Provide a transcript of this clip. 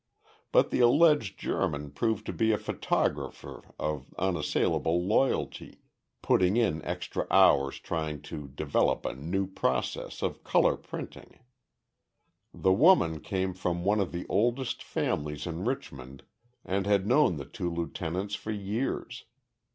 But the alleged German proved to be a photographer of unassailable loyalty, putting in extra hours trying to develop a new process of color printing. The woman came from one of the oldest families in Richmond and had known the two lieutenants for years.